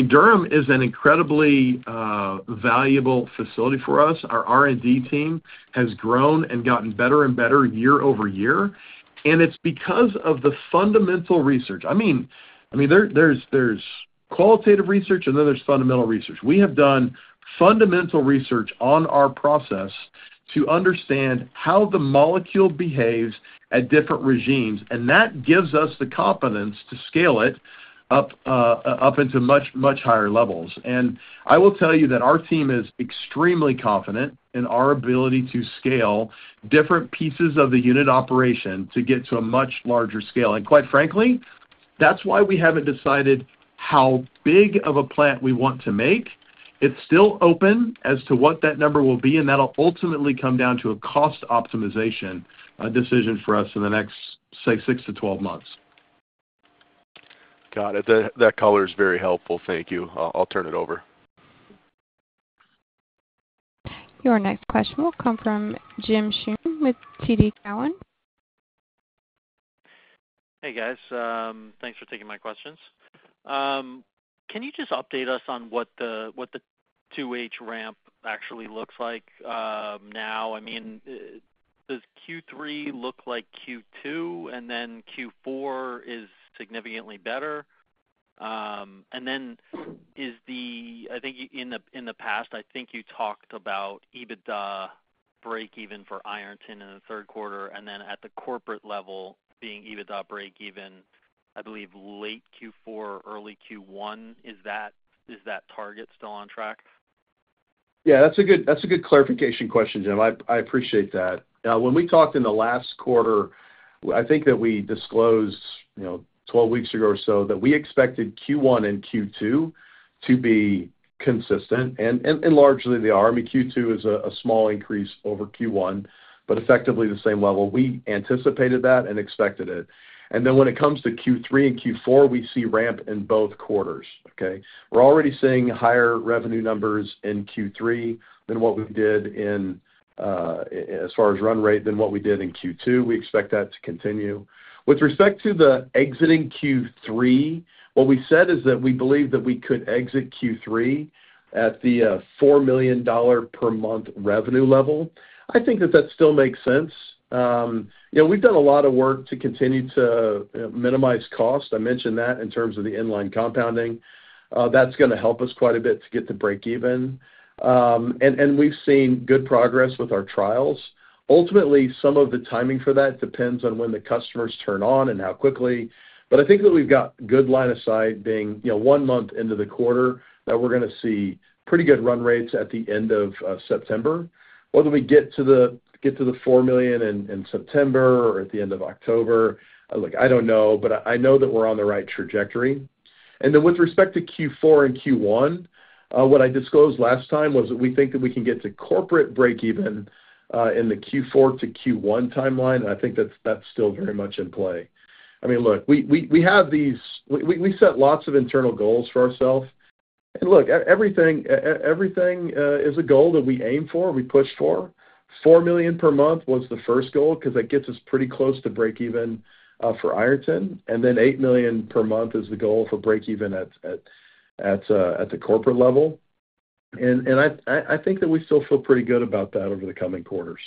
Durham is an incredibly valuable facility for us. Our R&D team has grown and gotten better and better year over year. It's because of the fundamental research. There's qualitative research and then there's fundamental research. We have done fundamental research on our process to understand how the molecule behaves at different regimes. That gives us the confidence to scale it up into much, much higher levels. I will tell you that our team is extremely confident in our ability to scale different pieces of the unit operation to get to a much larger scale. Quite frankly, that's why we haven't decided how big of a plant we want to make. It's still open as to what that number will be, and that'll ultimately come down to a cost optimization decision for us in the next, say, 6-12 months. Got it. That color is very helpful. Thank you. I'll turn it over. Your next question will come from James Schumm with TD Cowen. Hey guys, thanks for taking my questions. Can you just update us on what the 2H ramp actually looks like now? I mean, does Q3 look like Q2, and then Q4 is significantly better? I think in the past, I think you talked about EBITDA break even for Ironton in the third quarter and then at the corporate level being EBITDA break even, I believe late Q4, early Q1. Is that target still on track? Yeah, that's a good clarification question, James. I appreciate that. When we talked in the last quarter, I think that we disclosed 12 weeks ago or so that we expected Q1 and Q2 to be consistent. Largely they are. Q2 is a small increase over Q1, but effectively the same level. We anticipated that and expected it. When it comes to Q3 and Q4, we see ramp in both quarters. We're already seeing higher revenue numbers in Q3 than what we did in, as far as run rate, than what we did in Q2. We expect that to continue. With respect to exiting Q3, what we said is that we believe that we could exit Q3 at the $4 million/month revenue level. I think that still makes sense. We've done a lot of work to continue to minimize cost. I mentioned that in terms of the inline compounding, that's going to help us quite a bit to get to break even. We've seen good progress with our trials. Ultimately, some of the timing for that depends on when the customers turn on and how quickly. I think that we've got good line of sight, being one month into the quarter, that we're going to see pretty good run rates at the end of September. Whether we get to the $4 million in September or at the end of October, I don't know, but I know that we're on the right trajectory. With respect to Q4 and Q1, what I disclosed last time was that we think that we can get to corporate break even in the Q4 to Q1 timeline. I think that's still very much in play. We set lots of internal goals for ourselves. Everything is a goal that we aim for. We pushed for $4 million/month as the first goal because that gets us pretty close to break even for Ironton. $8 million/month is the goal for break even at the corporate level. I think that we still feel pretty good about that over the coming quarters.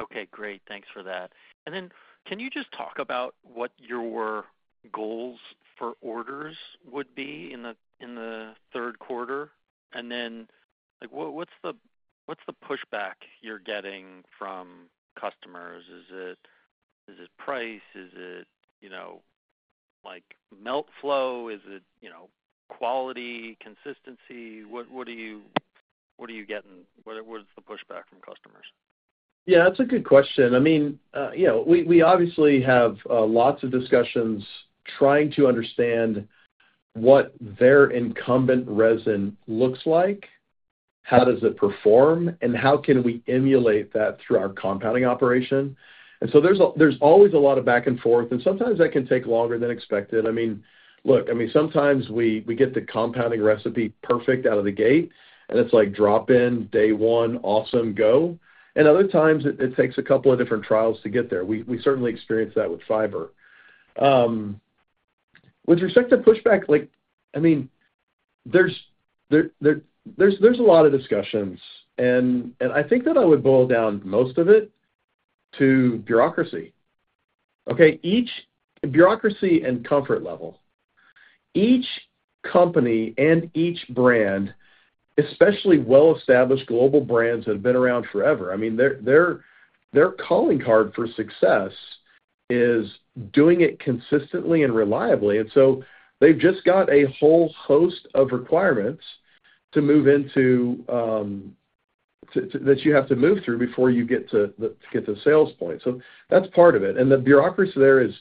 Okay, great, thanks for that. Can you just talk about. What your goals for orders would be? In the third quarter? What's the pushback you're getting from customers? Is it price? Is it, you know, like melt flow? Is it, you know, quality, consistency? What are you getting? What is the pushback from customers? Yeah, that's a good question. We obviously have lots of discussions trying to understand what their incumbent resin looks like, how does it perform, and how can we emulate that through our compounding operation. There's always a lot of back and forth and sometimes that can take longer. Sometimes we get the compounding recipe perfect out of the gate and it's like drop in day one, awesome, go. Other times it takes a couple of different trials to get there. We certainly experience that with fiber. With respect to pushback, there's a lot of discussions and I think that I would boil down most of it to bureaucracy. Each company and each brand, especially well-established global brands that have been around forever, their calling card for success is doing it consistently and reliably. They've just got a whole host of requirements to move into that you have to move through before you get to the sales point. That's part of it, and the bureaucracy there is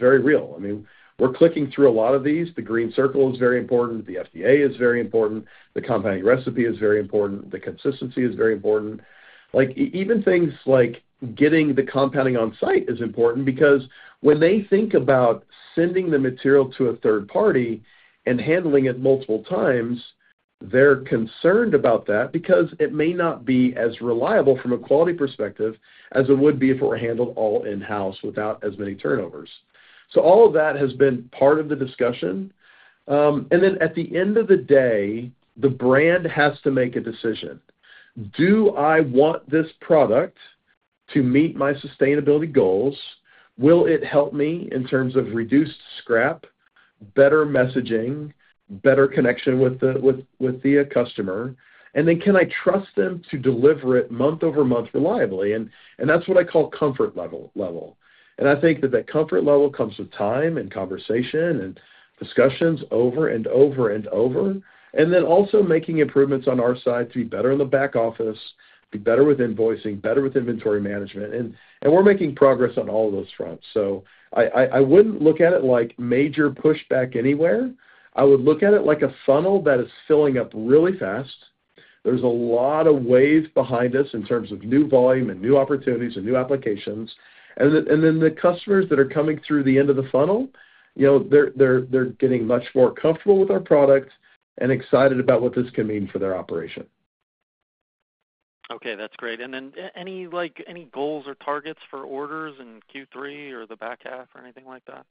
very real. We're clicking through a lot of these. Green Circle is very important. The FDA is very important. The compounding recipe is very important. The consistency is very important. Even things like getting the compounding on site is important because when they think about sending the material to a third party and handling it multiple times, they're concerned about that because it may not be as reliable from a quality perspective as it would be if it were handled all in house without as many turnovers. All of that has been part of the discussion. At the end of the day, the brand has to make a decision. Do I want this product to meet my sustainability goals? Will it help me in terms of reduced scrap, better messaging, better connection with the customer, and then can I trust them to deliver it month over month reliably? That's what I call comfort level. I think that comfort level comes with time and conversation and discussions over-and-over-and-over, and also making improvements on our side to be better in the back office, be better with invoicing, better with inventory management. We're making progress on all those fronts. I wouldn't look at it like major pushback anywhere. I would look at it like a funnel that is filling up really fast. There's a lot of waves behind us in terms of new volume, new opportunities, and new applications. The customers that are coming through the end of the funnel, you know, they're getting much more comfortable with our product and excited about what this can mean for their operation. Okay, that's great. Are there any goals or targets for orders in Q3 or the back half or anything like that?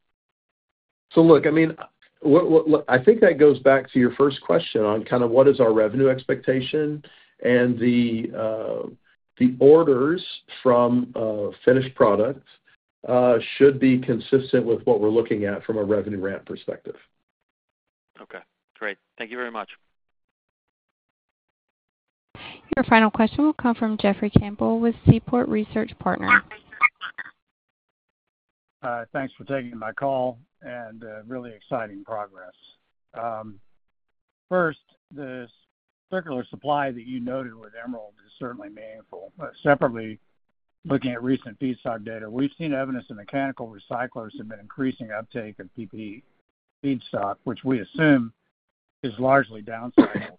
I think that goes back to your first question on kind of what is our revenue expectation. The orders from finished product should be consistent with what we're looking at from a revenue ramp perspective. Okay, great. Thank you very much. Your final question will come from Jeffrey Campbell with Seaport Research Partners. Thanks for taking my call. Really exciting progress. First, the circular supply that you noted with Emerald is certainly meaningful. Separately, looking at recent feedstock data, we've seen evidence that mechanical recyclers have been increasing uptake of PPE feedstock, which we assume is largely downplayed.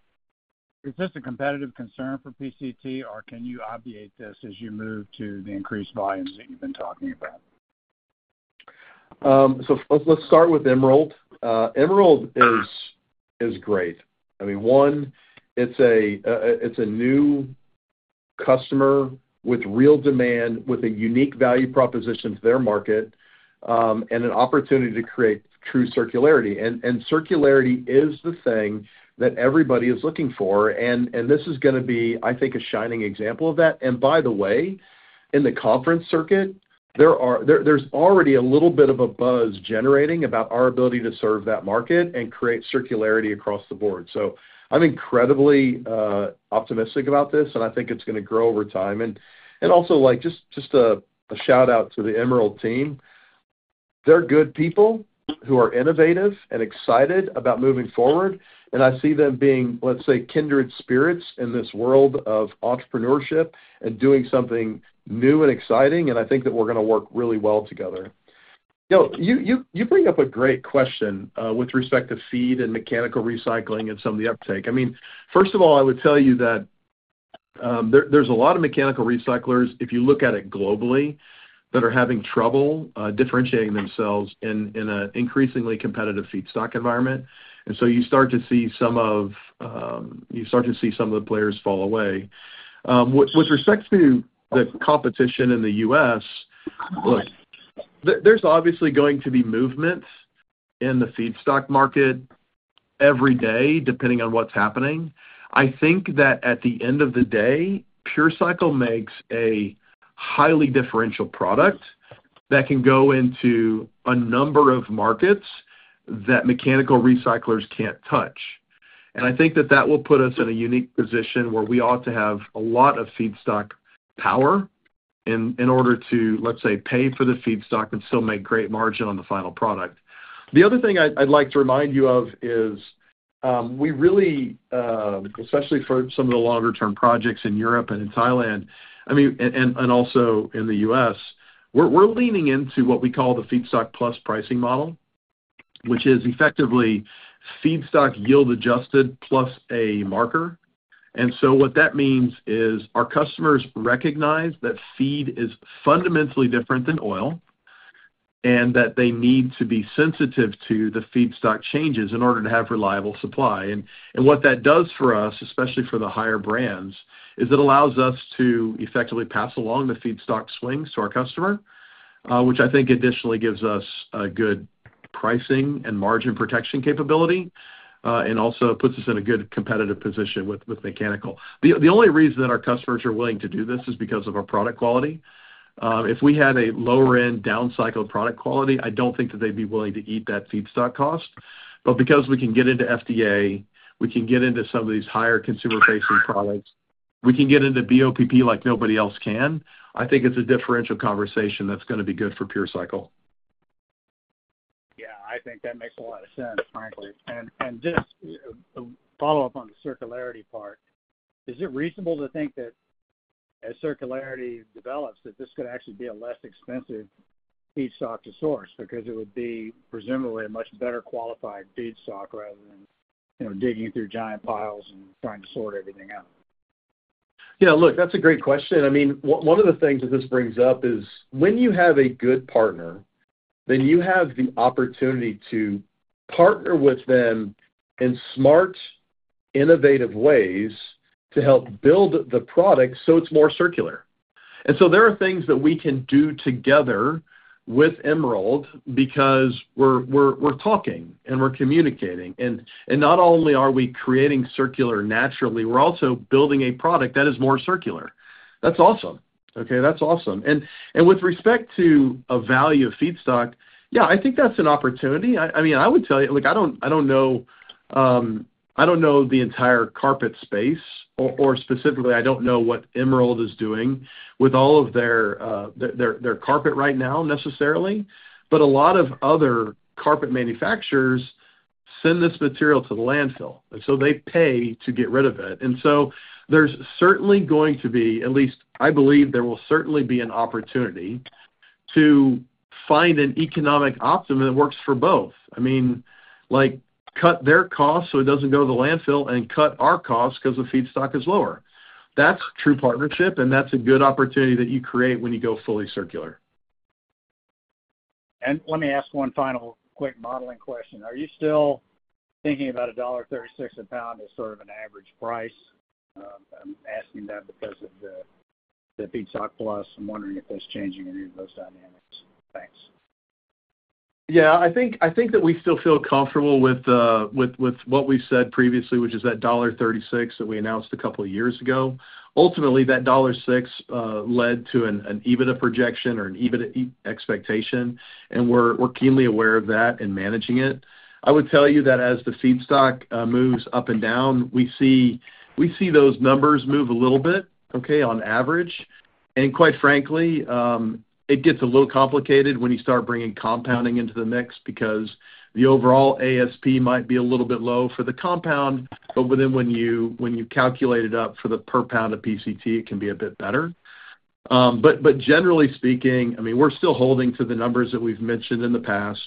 Is this a competitive concern for PCT or can you obviate this as you move to the increased volumes that you've been talking about? Let's start with Emerald. Emerald is great. I mean, one, it's a new customer with real demand, with a unique value proposition to their market and an opportunity to create true circularity. Circularity is the thing that everybody is looking for. This is going to be, I think, a shining example of that. By the way, in the conference circuit, there's already a little bit of a buzz generating about our ability to serve that market and create circularity across the board. I'm incredibly optimistic about this, and I think it's going to grow over time. Also, just a shout out to the Emerald team. They're good people who are innovative and excited about moving forward. I see them being, let's say, kindred spirits in this world of entrepreneurship and doing something new and exciting. I think that we're going to work really well together. You bring up a great question with respect to feed and mechanical recycling and some of the uptake. First of all, I would tell you that there's a lot of mechanical recyclers, if you look at it globally, that are having trouble differentiating themselves in an increasingly competitive feedstock environment. You start to see some of the players fall away with respect to the competition. In the U.S., there's obviously going to be movements in the feedstock market every day depending on what's happening. I think that at the end of the day, PureCycle makes a highly differential product that can go into a number of markets that mechanical recyclers can't touch. I think that will put us in a unique position where we ought to have a lot of feedstock power in order to, let's say, pay for the feedstock and still make great margin on the final product. The other thing I'd like to remind you of is we really, especially for some of the longer term projects in Europe and in Thailand, and also in the U.S., we're leaning into what we call the Feedstock+ Pricing model, which is effectively feedstock yield adjusted + a marker. What that means is our customers recognize that feed is fundamentally different than oil and that they need to be sensitive to the feedstock changes in order to have reliable supply. What that does for us, especially for the higher brands, is it allows us to effectively pass along the feedstock swings to our customer, which I think additionally gives us a good pricing and margin protection capability and also puts us in a good competitive position with mechanical. That our customers are willing to do this is because of our product quality. If we had a lower end downcycled product quality, I don't think that they'd be willing to eat that feedstock cost. Because we can get into FDA, we can get into some of these higher consumer-facing products, we can get into BOPP like nobody else can. I think it's a differential conversation that's going to be good for PureCycle. Yeah, I think that makes a lot of sense, frankly. This follow up on the circularity part, is it reasonable to think that. As circularity develops, this could actually. Be a less expensive feedstock to source because it would be presumably a much better qualified feedstock rather than, you know, digging through giant piles and trying to sort everything out? Yeah, look, that's a great question. One of the things that this brings up is when you have a good partner, then you have the opportunity to partner with them in smart, innovative ways to help build the product so it's more circular. There are things that we can do together with Emerald because we're talking and we're communicating. Not only are we creating circular naturally, we're also building a product that is more circular. That's awesome. Okay, that's awesome. With respect to a value of feedstock, yeah, I think that's an opportunity. I would tell you, I don't know the entire carpet space or specifically, I don't know what Emerald is doing with all of their carpet right now necessarily. A lot of other carpet manufacturers send this material to the landfill, so they pay to get rid of it. There's certainly going to be, at least, I believe there will certainly be an opportunity to find an economic optimum that works for both. Cut their cost so it doesn't go to the landfill and cut our costs because the feedstock is lower. That's true partnership, and that's a good opportunity that you create when you go fully circular. Let me ask one final quick modeling question. Are you still thinking about $1.36 a lb as sort of an average price? I'm asking that because of the Feedstock+. I'm wondering if that's changing any of those dynamics. Thanks. Yeah, I think that we still feel comfortable with what we said previously, which is that $1.36 that we announced a couple of years ago. Ultimately, that $1.6 led to an EBITDA projection or an EBITDA expectation, and we're keenly aware of that and managing it. I would tell you that as the feedstock moves up and down, we see those numbers move a little bit, on average. Quite frankly, it gets a little complicated when you start bringing compounding into the mix because the overall ASP might be a little bit low for the compound, but then when you calculate it up for the per lb of PCT, it can be a bit better. Generally speaking, we're still holding to the numbers that we've mentioned in the past.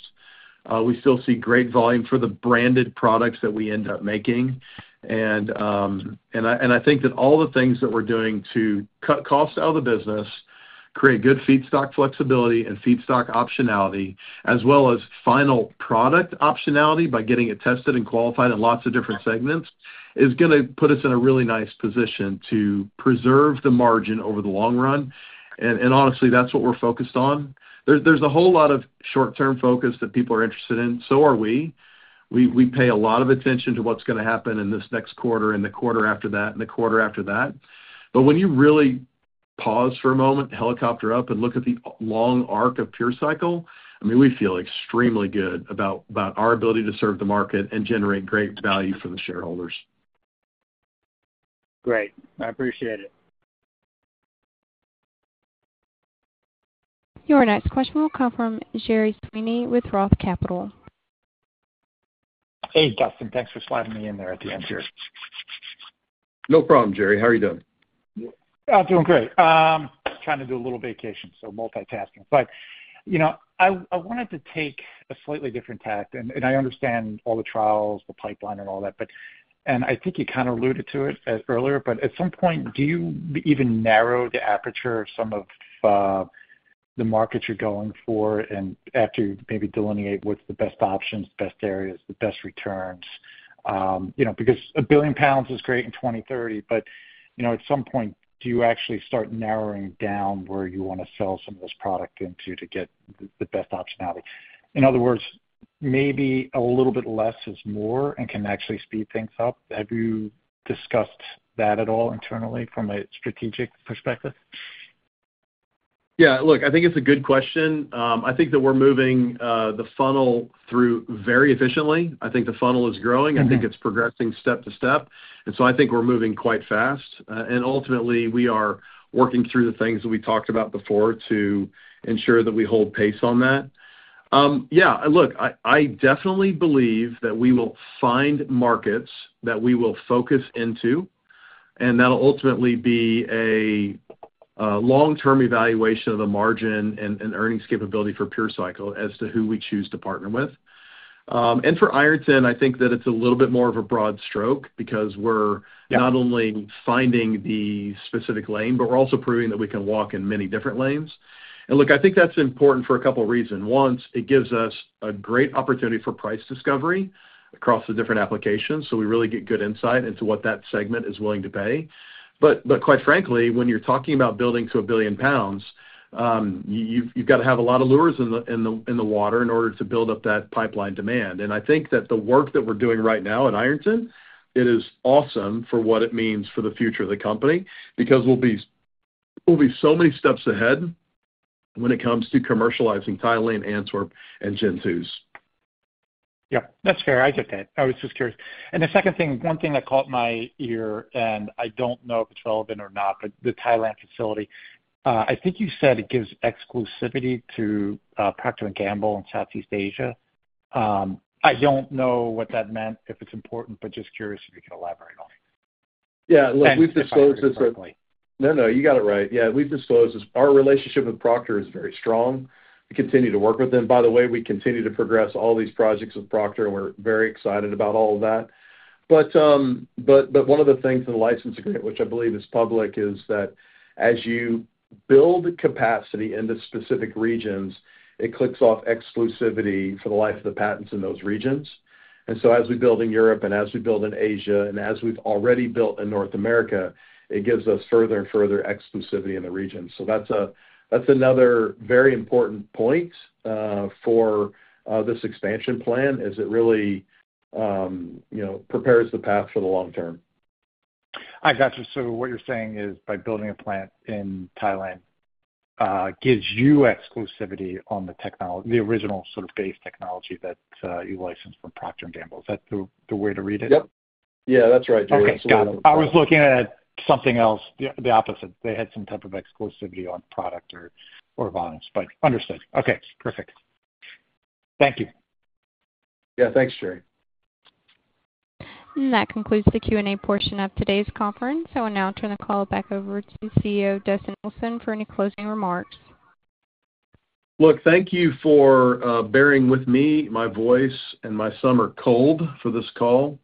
We still see great volume for the branded products that we end up making. I think that all the things that we're doing to cut costs out of the business, create good feedstock flexibility and feedstock optionality as well as final product optionality, by getting it tested and qualified in lots of different segments, is going to put us in a really nice position to preserve the margin over the long run. Honestly, that's what we're focused on. There's a whole lot of short term focus that people are interested in. We pay a lot of attention to what's going to happen in this next quarter and the quarter after that, and the quarter after that. When you really pause for a moment, helicopter up and look at the long arc of PureCycle, we feel extremely good about our ability to serve the market and generate great value for the shareholders. Great, I appreciate it. Your next question will come from Gerry Sweeney with ROTH Capital. Hey Dustin, thanks for sliding me in. There at the end here. No problem. Gerry, how are you doing? I'm doing great. Trying to do a little vacation, so multitasking. I wanted to take a slightly different tact, and I understand all the trials, the pipeline and all that. I think you kind of alluded to it earlier, but at some point, do you even narrow the aperture, some of the markets you're going for, and after you maybe delineate what's the best options, best areas, the best returns? A billion lbs is great in 2030, but at some point, do you actually start narrowing down where you want to sell some of this product into to get the best optionality? In other words, maybe a little bit. Less is more and can actually speed things up. Have you discussed that at all internally from a strategic perspective? Yeah, look, I think it's a good question. I think that we're moving the funnel through very efficiently. I think the funnel is growing, I think it's progressing step to step. I think we're moving quite fast. Ultimately, we are working through the things that we talked about before to ensure that we hold pace on that. Yeah, look, I definitely believe that we will find markets that we will focus into and that'll ultimately be a long term evaluation of the margin and earnings capability for PureCycle Technologies as to who we choose to partner with. For Ironton, I think that it's a little bit more of a broad stroke because we're not only finding the specific lane, but we're also proving that we can walk in many different lanes. I think that's important for a couple reasons. One, it gives us a great opportunity for price discovery across the different applications, so we really get good insight into what that segment is willing to pay. Quite frankly, when you're talking about building to a billion lbs, you've got to have a lot of lures in the water in order to build up that pipeline demand. I think that the work that we're doing right now at Ironton, it is awesome for what it means for the future of the company because we'll be so many steps ahead when it comes to commercializing Thailand, Antwerp and Gen 2. Yeah, that's fair. I get that. I was just curious. The second thing, one thing that caught my ear, and I don't know if it's relevant or not, but the Thailand facility, I think you said it gives exclusivity to Procter & Gamble in Southeast Asia. I don't know what that meant, if. It's important, but just curious, if you can elaborate on. Yeah, we've disclosed this, certainly. No, no, you got it right. Yeah, we've disclosed this. Our relationship with Procter & Gamble is very strong. We continue to work with them, by the way, we continue to progress all these projects with Procter and we're very excited about all of that. One of the things in the license agreement, which I believe is public, is that as you build capacity into specific regions, it clicks off exclusivity for the life of the patents in those regions. As we build in Europe and as we build in Asia, and as we've already built in North America, it gives us further and further exclusivity in the region. That's another very important point for this expansion plan as it really prepares the path for the long term. I gotcha. You're saying by building a plant in Thailand gives you exclusivity on the technology, the original sort of base technology that you licensed from Procter & Gamble. Is that the way to read it? Yep, that's right. I was looking at something else, the opposite. They had some type of exclusivity on product or volumes. Understood. Okay, perfect. Thank you. Yeah. Thanks, Gerry. That concludes the Q&A portion of today's conference. I will now turn the call back over to CEO Dustin Olson for any closing remarks. Thank you for bearing with me, my voice, and my summer cold for this call.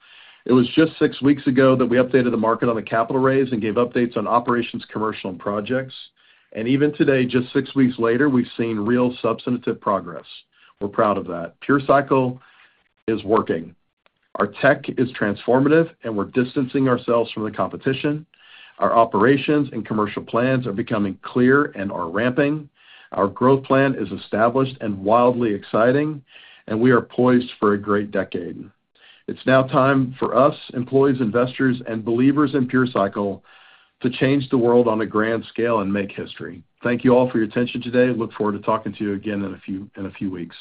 It was just six weeks ago that we updated the market on the capital raise and gave updates on operations, commercial, and projects. Even today, just six weeks later, we've seen real substantive progress. We're proud of that. PureCycle is working. Our tech is transformative, and we're distancing ourselves from the competition. Our operations and commercial plans are becoming clear and are ramping. Our growth plan is established and wildly exciting. We are poised for a great decade. It's now time for U.S. employees, investors, and believers in PureCycle to change the world on a grand scale and make history. Thank you all for your attention today. Look forward to talking to you again in a few weeks.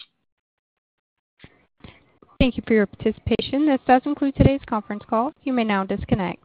Thank you for your participation. This does include today's conference call. You may now disconnect.